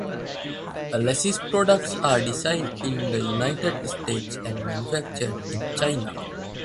Alesis products are designed in the United States and manufactured in China.